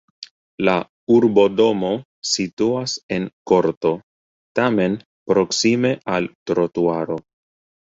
La urbodomo situas en korto, tamen proksime al trotuaro.